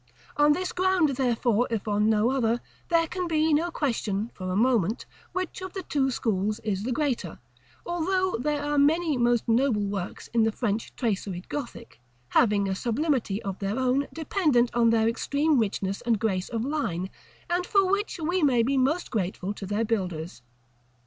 On this ground, therefore, if on no other, there can be no question, for a moment, which of the two schools is the greater; although there are many most noble works in the French traceried Gothic, having a sublimity of their own dependent on their extreme richness and grace of line, and for which we may be most grateful to their builders.